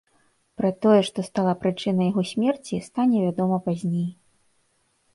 Пра тое, што стала прычынай яго смерці, стане вядома пазней.